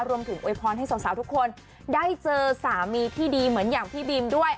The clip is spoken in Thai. โวยพรให้สาวทุกคนได้เจอสามีที่ดีเหมือนอย่างพี่บีมด้วย